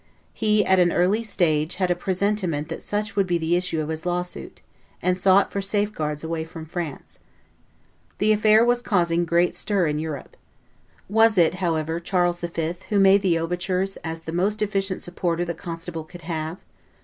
He at an early stage had a presentiment that such would be the issue of his lawsuit, and sought for safeguards away from France. The affair was causing great stir in Europe. Was it, however, Charles V. who made the first overtures as the most efficient supporter the constable could have?